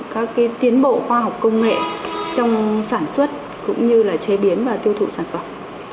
các tiến bộ khoa học công nghệ trong sản xuất cũng như là chế biến và tiêu thụ sản phẩm